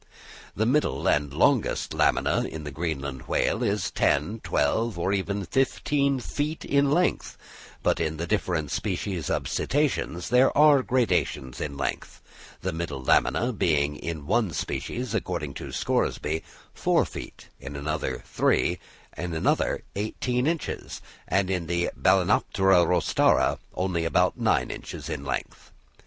The middle and longest lamina in the Greenland whale is ten, twelve, or even fifteen feet in length; but in the different species of Cetaceans there are gradations in length; the middle lamina being in one species, according to Scoresby, four feet, in another three, in another eighteen inches, and in the Balænoptera rostrata only about nine inches in length.